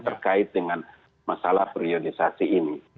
terkait dengan masalah periodisasi ini